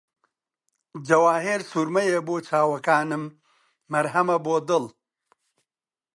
جەواهیرسورمەیە بۆ چاوەکانم، مەرهەمە بۆ دڵ